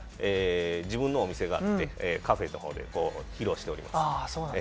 自分のお店があって、カフェのほうでこうやって披露しております。